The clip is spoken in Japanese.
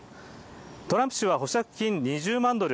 トランプ氏は保釈金２０万ドル